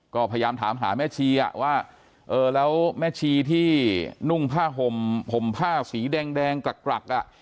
ก็พยายามถามหาแม่ชีว่าเออแล้วแม่ชีที่นุ่งผ้าห่มห่มผ้าสีแดงกรักอ่ะ